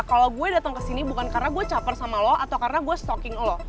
kalo gue datang kesini bukan karena gue caper sama lo atau karena gue stalking lo